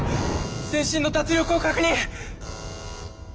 全身の脱力を確認！